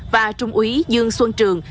và trung úy dương xuân trường